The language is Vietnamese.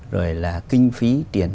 rồi là kinh phí tiền